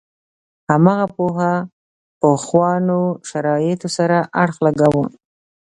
هماغه پوهه پخوانو شرایطو سره اړخ لګاوه.